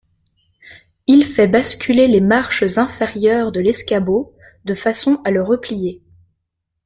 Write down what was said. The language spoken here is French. Il fait basculer les marches inférieures de l’escabeau, de façon à le replier.